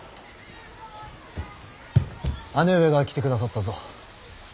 姉上が来てくださったぞ。